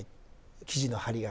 生地の張りがある。